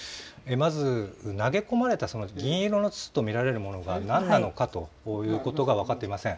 まず投げ込まれたその銀色の筒と見られるものが何なのかということが分かっていません。